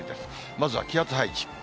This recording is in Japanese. まずは気圧配置。